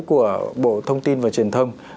của bộ thông tin và truyền thông